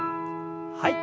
はい。